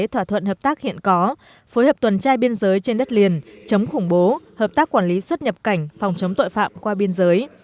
thỏa thuận hợp tác hiện có phối hợp tuần trai biên giới trên đất liền chống khủng bố hợp tác quản lý xuất nhập cảnh phòng chống tội phạm qua biên giới